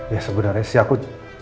ya sebenarnya sih aku